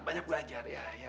banyak belajar ya